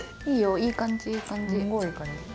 いいよいいかんじいいかんじ。